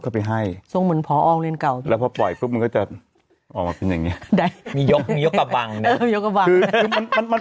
ได้ต้องผลอยู่โรงเรียนเก่าเลยพอปล่อยภูมิก็จะเป็นอย่างนี้ยกมียกกะป่าง